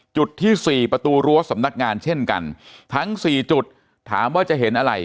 จุดที่สี่ประตูรั้วสำนักงานเช่นกันทั้งสี่จุดถามว่าจะเห็นอะไร